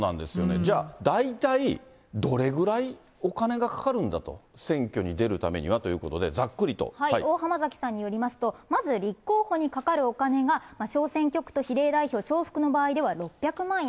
じゃあ、大体どれぐらいお金がかかるんだと、選挙に出るためにはというこ大濱崎さんによりますと、まず立候補にかかるお金が、小選挙区と比例代表重複の場合では６００万円。